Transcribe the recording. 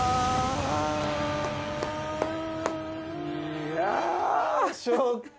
いやショック。